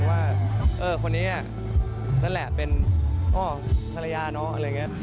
ว่าเออคนนี้นั่นแหละเป็นธรรยาเนอะอะไรอย่างเงี้ย